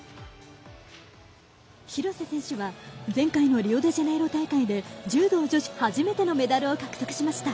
廣瀬選手は前回のリオデジャネイロ大会で柔道女子初めてのメダルを獲得しました。